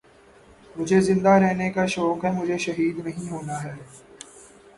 مجھے زندہ رہنے کا شوق ہے مجھے شہید نہیں ہونا ہے